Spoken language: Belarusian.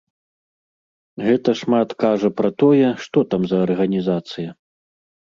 Гэта шмат кажа пра тое, што там за арганізацыя.